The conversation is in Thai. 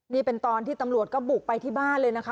นี่เป็นตอนที่ตำรวจก็บุกไปที่บ้านเลยนะคะ